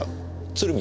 鶴見